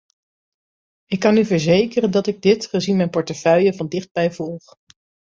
Ik kan u verzekeren dat ik dit, gezien mijn portefeuille, van dichtbij volg.